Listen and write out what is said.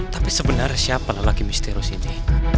tapi sebenarnya siapa lelaki misterius ini